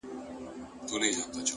عاجزي د درناوي تخم کرل دي،